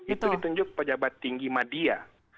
itu ditunjuk pejabat tinggi media